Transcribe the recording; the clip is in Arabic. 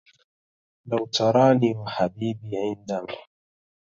لو تراني وحبيبي عندما